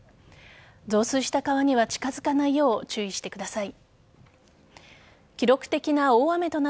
増水した川には近づかないよう注意してください。